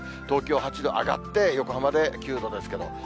東京８度、上がって、横浜で９度ですけど。